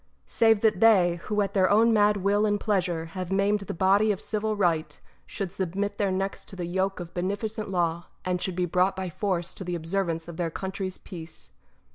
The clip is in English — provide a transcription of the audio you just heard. Save that they, who at their own mad will and pleasure have maimed the body of 10 LETTERS OF DANTE civil right, should submit their necks to the yoke of beneficent law, and should be brought by force to the observance of their country's peace